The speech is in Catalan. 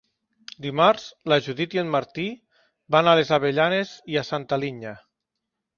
Dimarts na Judit i en Martí van a les Avellanes i Santa Linya.